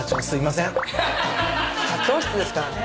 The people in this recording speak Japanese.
社長室ですからね。